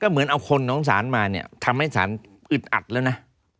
เหมือนเอาคนของสารมาเนี่ยทำให้สารอึดอัดแล้วนะ